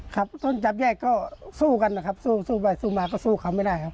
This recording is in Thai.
ครับต้นจับแยกก็สู้กันนะครับสู้ไปสู้มาก็สู้เขาไม่ได้ครับ